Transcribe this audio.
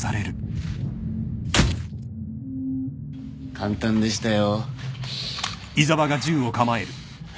簡単でしたよ。